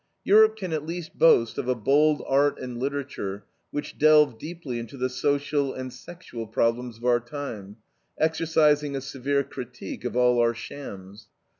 Europe can at least boast of a bold art and literature which delve deeply into the social and sexual problems of our time, exercising a severe critique of all our shams.